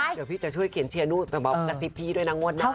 เดี๋ยวพี่จะช่วยเขียนเชียร์นู่นแต่แบบกระซิบพี่ด้วยนะงวดหน้า